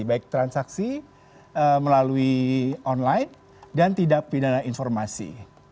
baik transaksi melalui online dan tidak pidana informasi